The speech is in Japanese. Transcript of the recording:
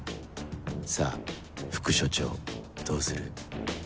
さぁ副署長どうする？